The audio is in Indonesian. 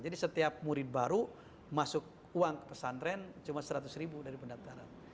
jadi setiap murid baru masuk uang ke pesantren cuma seratus ribu dari pendaftaran